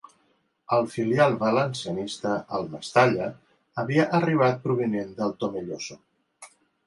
Al filial valencianista, el Mestalla, havia arribat provinent del Tomelloso.